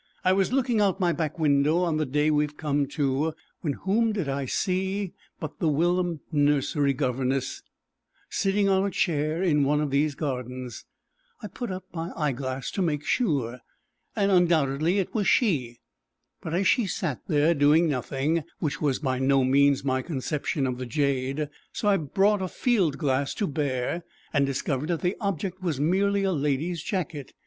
I was looking out at my back window on the day we have come to when whom did I see but the whilom nursery governess sitting on a chair in one of these gardens. I put up my eye glass to make sure, and undoubtedly it was she. But she sat there doing nothing, which was by no means my conception of the jade, so I brought a fieldglass to bear and discovered that the object was merely a lady's jacket.